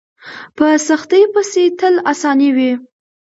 په سختۍ پسې تل اساني وي.